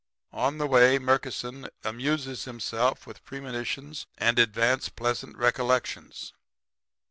"On the way Murkison amuses himself with premonitions and advance pleasant recollections.